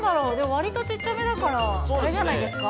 割とちっちゃめだから、あれじゃないですか？